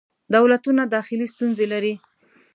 دولتونه داخلې ستونزې لري.